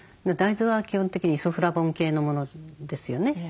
大豆は基本的にイソフラボン系のものですよね。